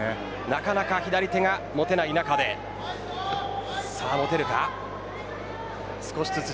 なかなか左手が持てない中で持てるでしょうか。